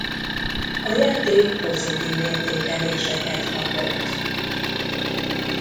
A játék pozitív értékeléseket kapott.